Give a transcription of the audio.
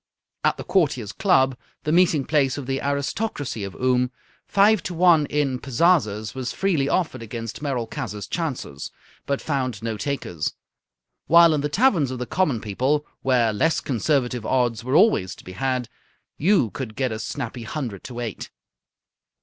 At the Courtiers' Club, the meeting place of the aristocracy of Oom, five to one in pazazas was freely offered against Merolchazzar's chances, but found no takers; while in the taverns of the common people, where less conservative odds were always to be had, you could get a snappy hundred to eight.